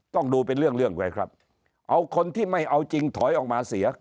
ต้องดูเป็นเรื่องเรื่องไว้ครับเอาคนที่ไม่เอาจริงถอยออกมาเสีย